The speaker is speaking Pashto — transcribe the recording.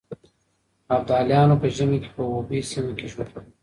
ابدالیانو په ژمي کې په اوبې سيمه کې ژوند کاوه.